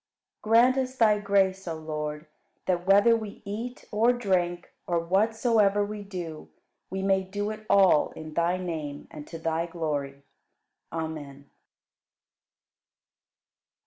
47. Grant us Thy grace, O Lord, that, whether we eat or drink, or whatsoever we do, we may do it all in Thy name and to Thy glory. Amen.